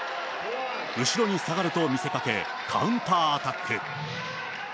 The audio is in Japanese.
後ろに下がると見せかけ、カウンターアタック。